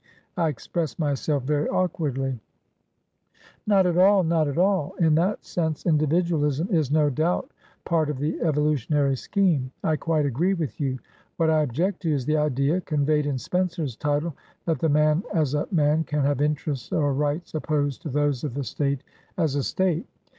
I express myself very awkwardly" "Not at all, not at all! In that sense, individualism is no doubt part of the evolutionary scheme; I quite agree with you. What I object to is the idea, conveyed in Spencer's title, that the man as a man can have interests or rights opposed to those of the State as a State.